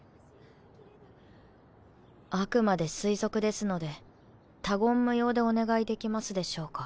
あくまで推測ですので他言無用でお願いできますでしょうか。